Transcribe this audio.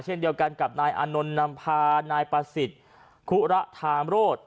เช่นเดียวกันกับนายอานนท์นำพานายประสิทธิ์คุระธามโรธ